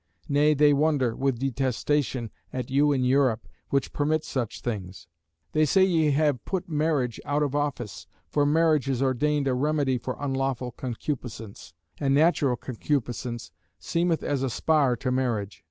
Nay they wonder (with detestation) at you in Europe, which permit such things. They say ye have put marriage out of office: for marriage is ordained a remedy for unlawful concupiscence; and natural concupiscence seemeth as a spar to marriage.